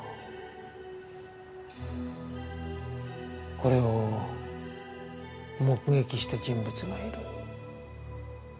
これを目撃した人物がいる。